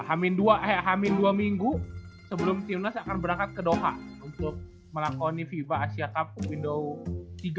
hamin dua hamin dua minggu sebelum timnas akan berangkat ke doha untuk melakoni viva asia cup window tiga berarti ya